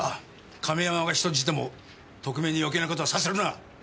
亀山が人質でも特命に余計な事はさせるな！